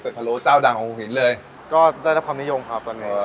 พะโลเจ้าดังของหินเลยก็ได้รับความนิยมครับตอนนี้